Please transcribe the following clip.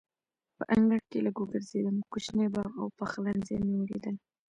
په انګړ کې لږ وګرځېدم، کوچنی باغ او پخلنځی مې ولیدل.